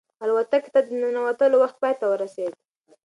الوتکې ته د ننوتلو وخت پای ته ورسېد.